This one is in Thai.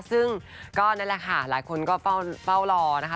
ซึ่งก็นั่นแหละค่ะหลายคนก็เฝ้ารอนะคะ